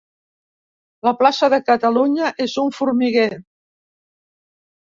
La plaça de Catalunya és un formiguer.